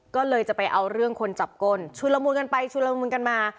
ก็เลยจะไปเอาเรื่องคนจับก้นชุนละมุนกันไปชุลมุนกันมา